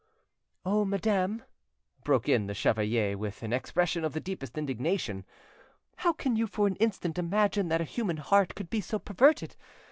"Oh, madame," broke in the chevalier, with an expression of the deepest indignation, "how can you for an instant imagine that a human heart could be so perverted?